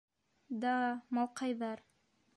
Да... малҡайҙар.